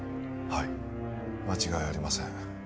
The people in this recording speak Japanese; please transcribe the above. はい間違いありません